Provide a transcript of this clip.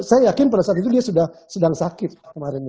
saya yakin pada saat itu dia sudah sedang sakit kemarin